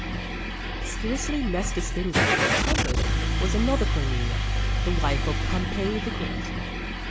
Scarcely less distinguished and accomplished was another Cornelia, the wife of Pompey, the Great.